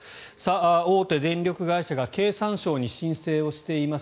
大手電力会社が経産省に申請をしています